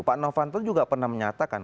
pak novanto juga pernah menyatakan